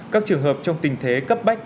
các trường hợp trong tình thế cấp bách